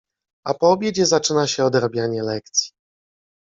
A po obiedzie zaczyna się odrabianie lekcji.